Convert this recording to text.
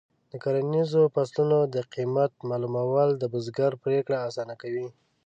د کرنیزو فصلونو د قیمت معلومول د بزګر پریکړې اسانه کوي.